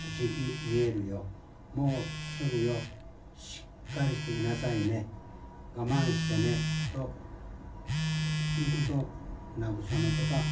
もうすぐよしっかりしていなさいね我慢してねと幾度慰めたか分かりません。